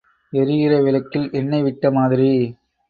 எரிகிற விளக்கில் எண்ணெய் விட்ட மாதிரி.